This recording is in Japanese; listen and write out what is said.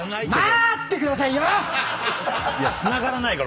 いやつながらないから。